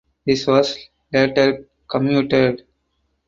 This was later commuted.